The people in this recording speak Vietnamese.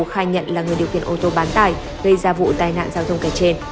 khai nhận là người điều khiển ô tô bán tài gây ra vụ tai nạn giao thông cải trên